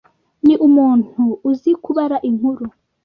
ni umuntu uzi kubara inkuru